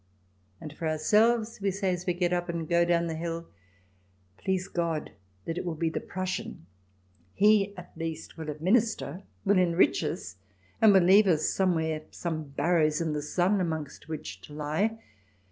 And for ourselves we say as we get up and go down the hill :" Please God that it will be the Prussian," He at least will administer, will enrich us, and will leave us somewhere some barrows in the sun amongst which to lie.